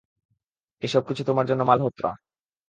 এই সব কিছু তোমার জন্য মালহোত্রা।